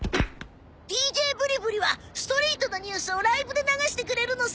ＤＪぶりぶりはストリートのニュースをライブで流してくれるのさ。